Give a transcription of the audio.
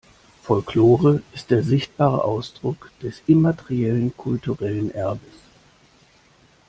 Folklore ist der sichtbare Ausdruck des immateriellen kulturellen Erbes.